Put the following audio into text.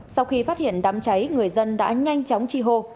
sau khi phát hiện đám cháy người dân đã nhanh chóng chi hô